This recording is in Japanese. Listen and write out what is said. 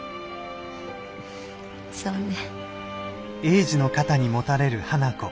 そうね。